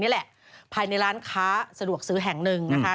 นี่แหละภายในร้านค้าสะดวกซื้อแห่งหนึ่งนะคะ